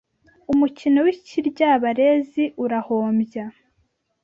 Umukino w'ikiryabarezi urahombya